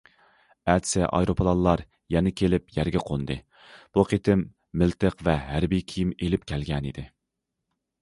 ئەتىسى ئايروپىلانلار يەنە كېلىپ يەرگە قوندى، بۇ قېتىم مىلتىق ۋە ھەربىي كىيىم ئېلىپ كەلگەنىدى.